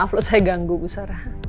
bisa kena nggak bersalah